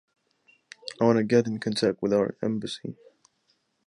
I want to get in contact with our embassy.